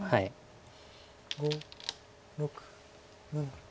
５６７。